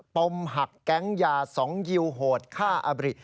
ปมหักแก๊งยา๒ยิวโหดฆ่าอบริ